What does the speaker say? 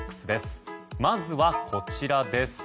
まずは、こちらです。